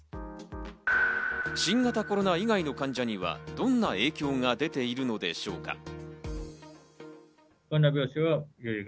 新型コロナ以外の患者にはどんな影響が出ているのでしょうか。